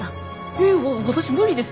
えっ私無理です。